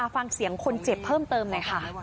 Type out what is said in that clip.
ฟังเสียงคนเจ็บเพิ่มเติมหน่อยค่ะ